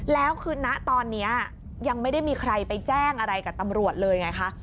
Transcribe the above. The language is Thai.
แล้วคือณตอนนี้ยังไม่ได้มีใครไปแจ้งอะไรกับตำรวจเลยไงคะ